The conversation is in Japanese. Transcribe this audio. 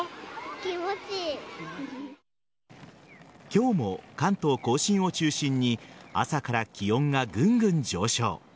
今日も関東甲信を中心に朝から気温がぐんぐん上昇。